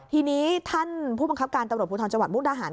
ทีนี้ท่านผู้บังคับการตำรวจภูทรจังหวัดมุกดาหาร